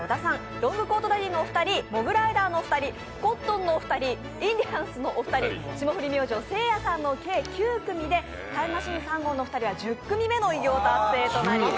ロングコートダディのお二人、モグライダーのお二人、コットンのお二人、インディアンスのお二人、霜降り明星・せいやさんの計９組でタイムマシーン３号のお二人は１０組目の偉業達成となります。